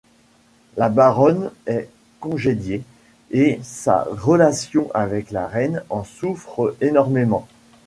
La baronne est congédiée et sa relation avec la reine en souffre énormément.